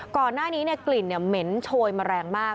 ก่อนหน้านี้กลิ่นเหม็นโชยมาแรงมาก